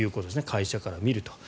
会社から見ると。